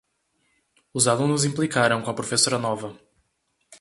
Os alunos implicaram com a professora nova.